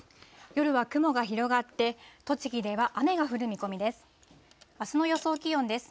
夜は雲が広がって、栃木では雨が降る見込みです。